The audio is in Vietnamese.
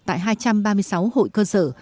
tại hai trăm ba mươi sáu hội chú trị